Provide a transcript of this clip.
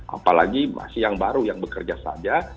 apalagi masih yang baru yang bekerja saja